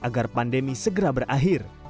agar pandemi segera berakhir